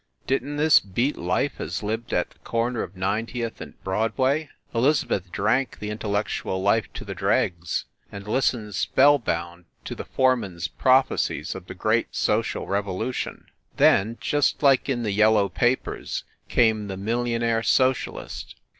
Didn t this beat life as lived at the corner of Ninetieth and Broadway? Elizabeth drank the intellectual life to the dregs and listened spellbound to the foreman s prophecies of the great Social Revolution. Then, just like in the yellow papers, came the Millionaire Socialist.